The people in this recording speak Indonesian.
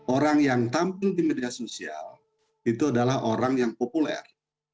orang yang tampil di media sosial itu adalah orang yang populer